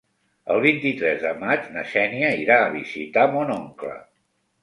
El vint-i-tres de maig na Xènia irà a visitar mon oncle.